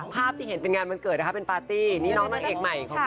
ภาพที่เห็นเป็นงานวันเกิดนะคะเป็นปาร์ตี้นี่น้องนางเอกใหม่ของเรา